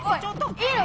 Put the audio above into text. いいのか？